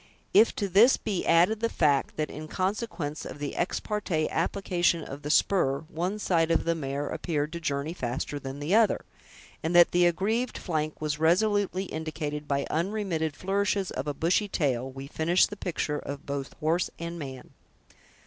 If to this be added the fact that, in consequence of the ex parte application of the spur, one side of the mare appeared to journey faster than the other; and that the aggrieved flank was resolutely indicated by unremitted flourishes of a bushy tail, we finish the picture of both horse and man.